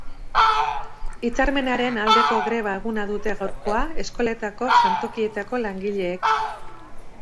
Hitzarmenaren aldeko greba eguna dute gaurkoa eskoletako jantokietako langileek.